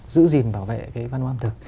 giữ gìn bảo vệ cái văn hóa ẩm thực